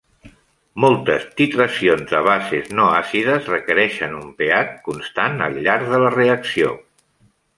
Moltes titracions de bases no-àcides requereixen un pH constant al llarg de la reacció.